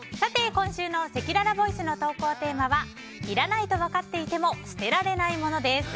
今週のせきららボイスの投稿テーマはいらないと分かっていても捨てられない物です。